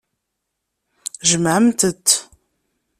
Jemɛemt-t.